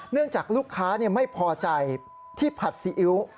จากลูกค้าไม่พอใจที่ผัดซีอิ๊ว